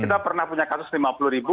kita pernah punya kasus lima puluh ribu